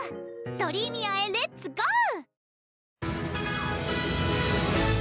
ドリーミアへレッツゴー！